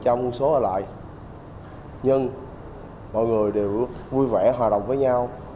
không số ở lại nhưng mọi người đều vui vẻ hòa đồng với nhau